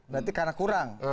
berarti karena kurang